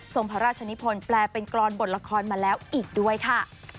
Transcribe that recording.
พระราชนิพลแปลเป็นกรอนบทละครมาแล้วอีกด้วยค่ะ